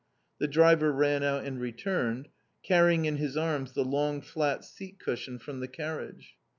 The driver ran out and returned, carrying in his arms the long flat seat cushion from the carriage.